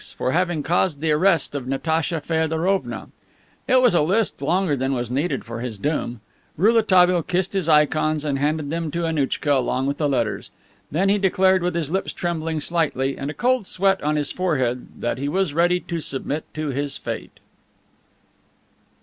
For having caused the arrest of Natacha Feodorovna. It was a list longer than was needed for his doom. Rouletabille kissed his ikons and handed them to Annouchka along with the letters. Then he declared, with his lips trembling slightly, and a cold sweat on his forehead, that he was ready to submit to his fate.